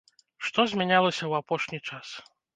Што змянялася ў апошні час?